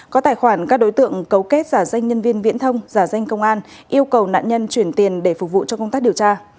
có tài khoản các đối tượng cấu kết giả danh nhân viên viễn thông giả danh công an yêu cầu nạn nhân chuyển tiền để phục vụ cho công tác điều tra